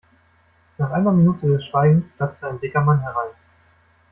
Nach einer Minute des Schweigens platzte ein dicker Mann herein.